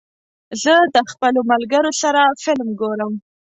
زه د خپلو ملګرو سره فلم ګورم.